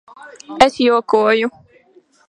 Es jokoju.